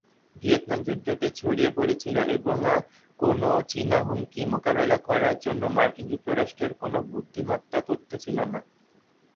Vietnam যুদ্ধটি ছড়িয়ে পড়েছিল এবং কোনও চীনা হুমকি মোকাবেলা করার জন্য মার্কিন যুক্তরাষ্ট্রের কোন বুদ্ধিমত্তা তথ্য ছিল না।